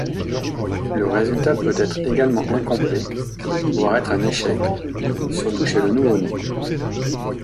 Le résultat peut être également incomplet, voire être un échec, surtout chez le nouveau-né.